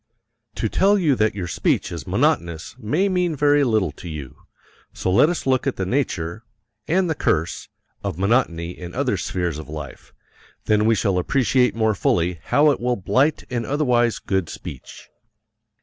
To tell you that your speech is monotonous may mean very little to you, so let us look at the nature and the curse of monotony in other spheres of life, then we shall appreciate more fully how it will blight an otherwise good speech.